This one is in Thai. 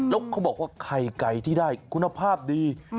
แล้วเขาบอกว่าไข่ไก่ที่ได้คุณภาพดี